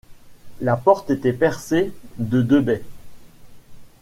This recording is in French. La porte était percée de deux baies.